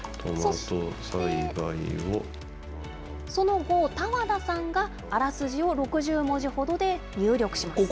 その後、多和田さんがあらすじを６０文字ほどで入力します。